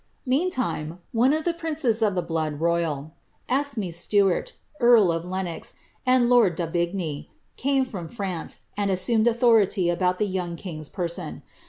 Meantime, one of the. princes of the blood ro3ral, Esm^ Stuart, earl of Lenox, and lord d'Aubigny, came from France, and assumed authority about the young king's person.